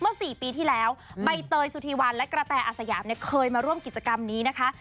๔ปีที่แล้วใบเตยสุธีวันและกระแตอาสยามเนี่ยเคยมาร่วมกิจกรรมนี้นะคะ